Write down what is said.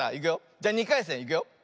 じゃ２かいせんいくよ。